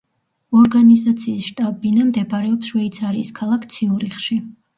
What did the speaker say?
ორგანიზაციის შტაბ-ბინა მდებარეობს შვეიცარიის ქალაქ ციურიხში.